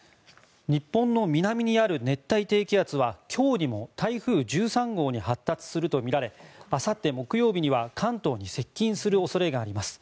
日本の南にある熱帯低気圧は今日にも台風１３号に発達するとみられあさって木曜日には関東に接近する恐れがあります。